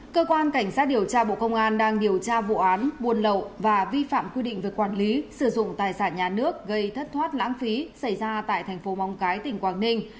cơ quan cảnh sát điều tra bộ công an đang điều tra vụ án buôn lậu và vi phạm quy định về quản lý sử dụng tài sản nhà nước gây thất thoát lãng phí xảy ra tại thành phố móng cái tỉnh quảng ninh